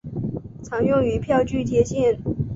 常用于票据贴现。